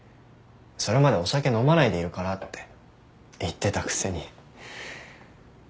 それまでお酒飲まないでいるからって言ってたくせに。